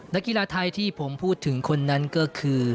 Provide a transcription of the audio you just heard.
นักกีฬาไทยที่ผมพูดถึงคนนั้นก็คือ